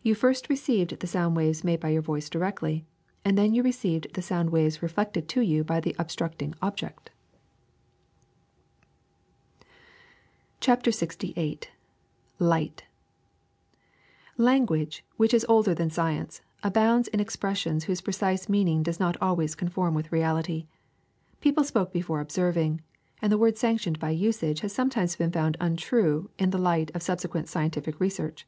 You first received the sound waves made by your voice directly, and then you re ceived the sound waves reflected to you by the ob structing object/' CHAPTER LXYin LIGHT LANGUAGE, which is older than science, abounds in expressions whose precise meaning does not always conform with reality. People spoke before observing, and the word sanctioned by usage has sometimes been found untrue in the light of subse quent scientific research.